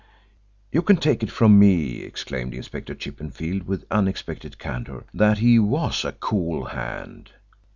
"You can take it from me," exclaimed Inspector Chippenfield with unexpected candour, "that he was a cool hand.